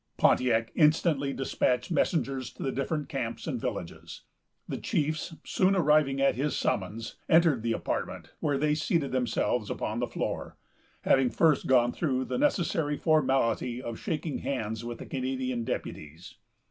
Pontiac instantly despatched messengers to the different camps and villages. The chiefs, soon arriving at his summons, entered the apartment, where they seated themselves upon the floor, having first gone through the necessary formality of shaking hands with the Canadian deputies.